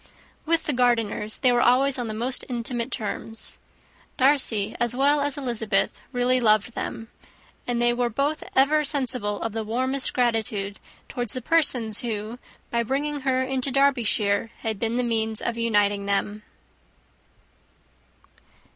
With the Gardiners they were always on the most intimate terms. Darcy, as well as Elizabeth, really loved them; and they were both ever sensible of the warmest gratitude towards the persons who, by bringing her into Derbyshire, had been the means of uniting them.